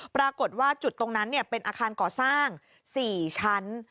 ปรากฏว่าจุดตรงนั้นเป็นอาคารก่อสร้าง๔ชั้น